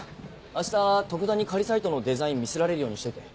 明日徳田に仮サイトのデザイン見せられるようにしておいて。